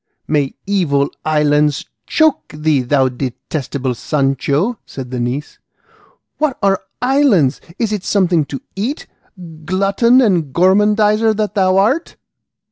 "May evil islands choke thee, thou detestable Sancho," said the niece; "What are islands? Is it something to eat, glutton and gormandiser that thou art?"